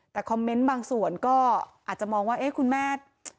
แต่คอมเมนต์บางส่วนก็อาจจะมองว่าเอ๊ะคุณแม่